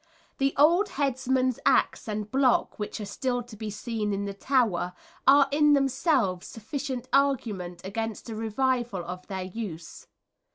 The old headsman's axe and block which are still to be seen in the Tower, are in themselves sufficient argument against a revival of their use.